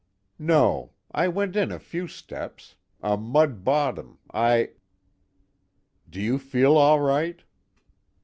"No. I went in a few steps. A mud bottom I " "Do you feel all right?"